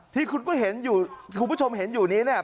ที่คุณผู้ชมเห็นอยู่นี้เนี่ย